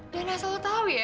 dan asal anda tahu ya